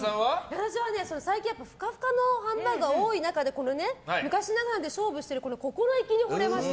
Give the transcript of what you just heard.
私は最近、ふかふかのハンバーグが多い中で昔ながらで勝負しているこの心意気にほれました。